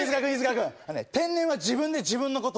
君天然は自分で自分のこと